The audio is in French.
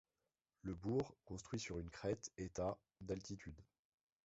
Le bourg, construit sur une crête, est à d'altitude.